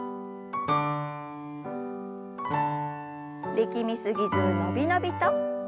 力み過ぎず伸び伸びと。